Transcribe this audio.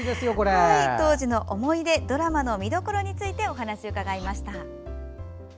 当時の思い出ドラマの見どころについてお話を伺いました。